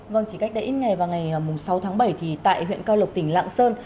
vâng chỉ cách đây ít ngày vào ngày sáu tháng bảy thì tại huyện cao lộc tỉnh lạng sơn